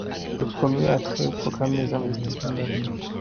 Le premier a trait au programme des investissements d’avenir.